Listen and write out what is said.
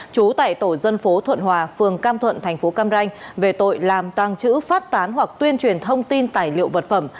trú tại tổ dân phố thuận hòa phường cam thuận thành phố cam ranh về tội làm tăng chữ phát tán hoặc tuyên truyền thông tin tài liệu vật phẩm